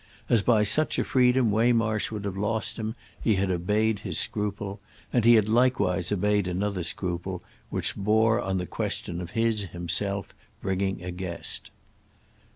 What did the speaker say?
As by such a freedom Waymarsh would have lost him he had obeyed his scruple; and he had likewise obeyed another scruple—which bore on the question of his himself bringing a guest.